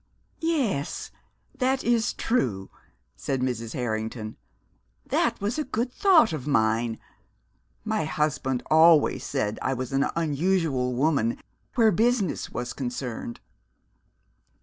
"Yes, that is true," said Mrs. Harrington. "That was a good thought of mine. My husband always said I was an unusual woman where business was concerned."